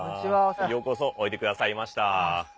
ようこそおいでくださいました。